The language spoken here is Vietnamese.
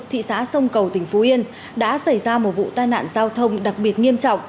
thị xã sông cầu tỉnh phú yên đã xảy ra một vụ tai nạn giao thông đặc biệt nghiêm trọng